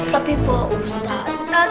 tapi buah ustaz kita tuh ga sengaja dia ngedenger